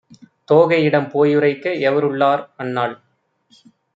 தோகையிடம் போயுரைக்க எவருள்ளார்? அன்னாள்